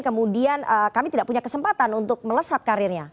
kemudian kami tidak punya kesempatan untuk melesat karirnya